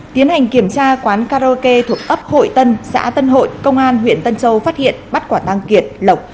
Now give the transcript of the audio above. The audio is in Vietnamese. tiến hành kiểm tra quán karaoke thuộc ấp hội tân xã tân hội công an huyện tân châu phát hiện bắt quả tăng kiệt lộc